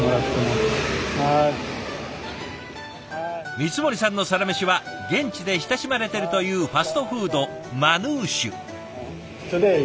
光森さんのサラメシは現地で親しまれてるというファストフードマヌーシュ。